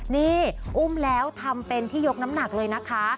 นี่อุ้มแล้วทำเป็นที่ยกน้ำหนักเลยนะคะ